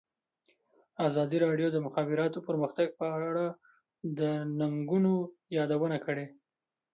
ازادي راډیو د د مخابراتو پرمختګ په اړه د ننګونو یادونه کړې.